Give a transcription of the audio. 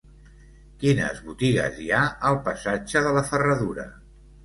Quines botigues hi ha al passatge de la Ferradura?